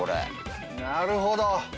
なるほど。